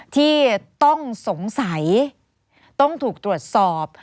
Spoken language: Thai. ที่ต้องสงสัยต้องถูกตรวจสอบ